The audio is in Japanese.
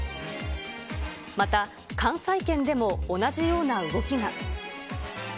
また、関西圏でも同じような動きが。